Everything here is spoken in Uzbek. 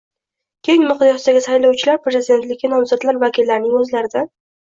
keng miqyosdagi saylovchilar prezidentlikka nomzodlar vakillarining o‘zlaridan